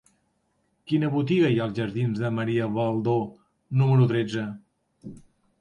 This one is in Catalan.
Quina botiga hi ha als jardins de Maria Baldó número tretze?